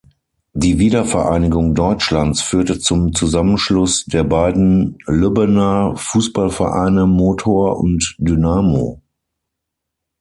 Die Wiedervereinigung Deutschlands führte zum Zusammenschluss der beiden Lübbener Fußballvereine Motor und Dynamo.